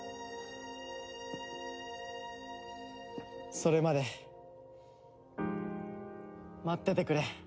それまで待っててくれ。